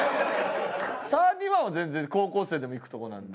サーティワンは全然高校生でも行くとこなんで。